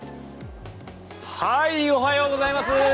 おはようございます。